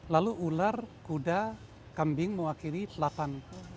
lalu ular kuda kambing mewakili lapan